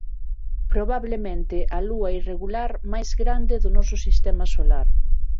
Probablemente a lúa irregular máis grande do noso Sistema Solar.